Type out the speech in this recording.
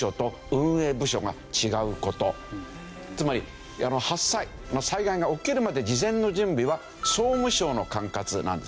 つまり発災災害が起きるまで事前の準備は総務省の管轄なんですね。